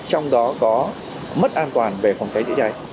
trong đó có mất an toàn về phòng cháy chữa cháy